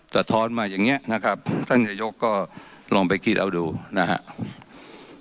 สะท้อนมาอย่างนี้นะครับท่านนายกก็ลองไปคิดเอาดูนะครับ